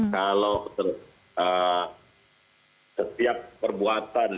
kalau setiap perbuatan yang bertujuan